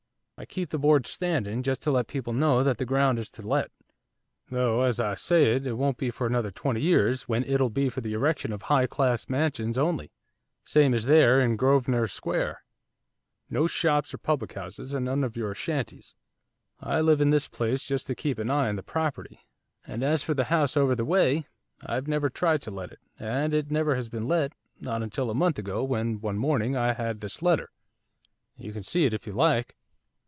I keep the boards standing, just to let people know that the ground is to let, though, as I say, it won't be for another twenty years, when it'll be for the erection of high class mansions only, same as there is in Grosvenor Square, no shops or public houses, and none of your shanties. I live in this place just to keep an eye upon the property, and as for the house over the way, I've never tried to let it, and it never has been let, not until a month ago, when, one morning, I had this letter. You can see it if you like.